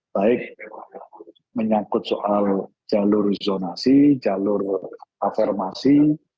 baik menyangkut soal jalur zonasi jalur afirmasi